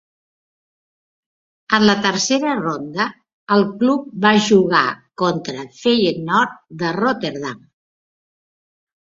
En la tercera ronda, el club va jugar contra Feyenoord, de Rotterdam.